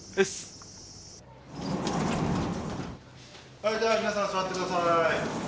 はいでは皆さん座ってください。